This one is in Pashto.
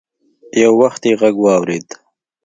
يو وخت يې غږ واورېد.